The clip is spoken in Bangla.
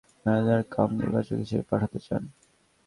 বলেছিলাম, আপনি নাম দেন, যাঁকে ম্যানেজার কাম নির্বাচক হিসেবে পাঠাতে চান।